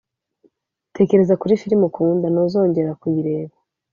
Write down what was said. tekereza kuri firime ukunda, ntuzongera kuyireba.